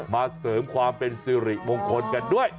เสริมความเป็นสิริมงคลกันด้วย